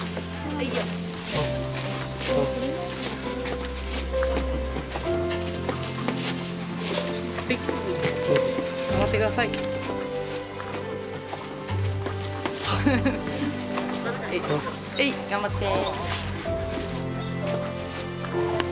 はい頑張って。